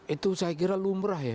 itu saya kira lumrah ya